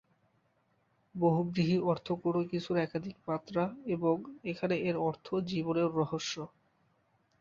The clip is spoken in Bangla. বহুব্রীহি অর্থ কোন কিছুর একাধিক মাত্রা এবং এখানে এর অর্থ জীবনের রহস্য।